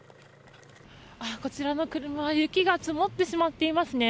こちらの車は雪が積もってしまっていますね。